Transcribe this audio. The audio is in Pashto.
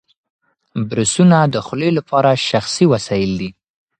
برسونه د خولې لپاره شخصي وسایل دي.